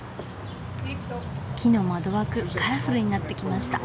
木の窓枠カラフルになってきました。